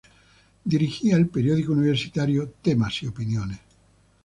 Dirigía el periódico universitario "Temas y Opiniones".